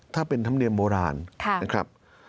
ถ้าเป็นธรรมเนียมโบราณนะครับ